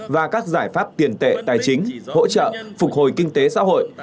và các giải pháp tiền tệ tài chính hỗ trợ phục hồi kinh tế xã hội